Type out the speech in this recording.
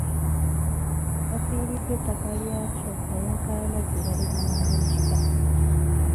Bafiiriddwa ettaka lyakyo olw'enkaayana ze balina n'abeekika.